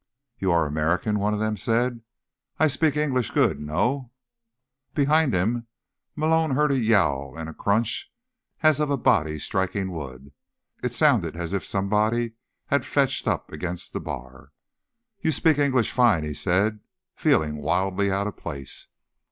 "You are American?" one of them said. "I speak English good, no?" Behind him, Malone heard a yowl and a crunch, as of a body striking wood. It sounded as if somebody had fetched up against the bar. "You speak English fine," he said, feeling wildly out of place.